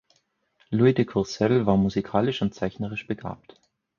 Louise de Corcelles war musikalisch und zeichnerisch begabt.